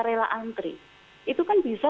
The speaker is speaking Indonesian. rela antri itu kan bisa